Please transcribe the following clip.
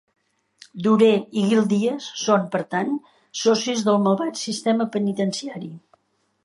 Durer i Guildias són, per tant, socis del malvat sistema penitenciari.